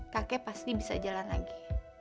kakek pasti bisa jalan lagi